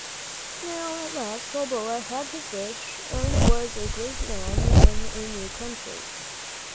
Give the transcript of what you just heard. Now, at last, Balboa had his wish and was a great man in a new country.